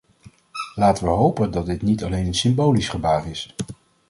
Laten we hopen dat dit niet alleen een symbolisch gebaar is.